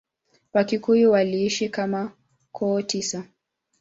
Wakikuyu waliishi kama koo tisa.